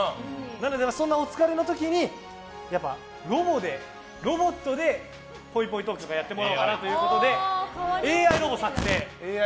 なのでそんなお疲れの時にロボットでぽいぽいトークとかやってもらおうかなとＡＩロボ作製。